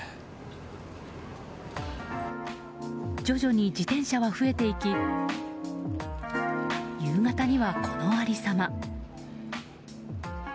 徐々に自転車は増えていき夕方には、このありさま。